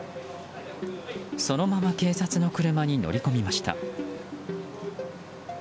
そのまま警察の車に乗り込みました。